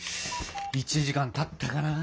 １時間たったかな？